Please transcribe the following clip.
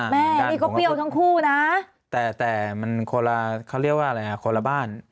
แม่นี่ก็เปรี้ยวทั้งคู่นะแต่มันคนละเขาเรียกว่าอะไรฮะคนละบ้าน